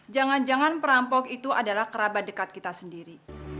jangan jangan perampok itu adalah kerabat dekat kita sendiri